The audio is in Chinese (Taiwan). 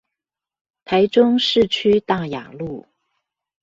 台中市區大雅路